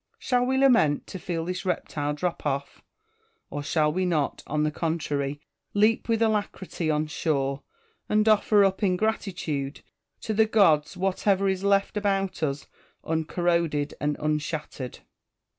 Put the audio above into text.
Shall we lament to feel this reptile drop off ^ Or shall we not, on the contrary, leap with alacrity on shore, and offer up in gratitude to the gods whatever is left about us uncorroded and unshattered